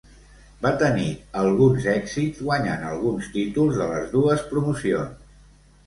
Va tenir alguns èxits guanyant alguns títols de les dues promocions.